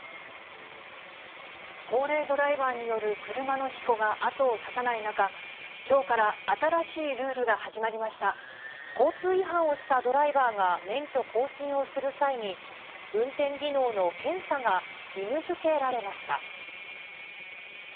高齢ドライバーによる車の事故が後を絶たない中、きょうから交通違反をしたドライバーが免許更新をする際に、運転技能の検査が義務づけられました。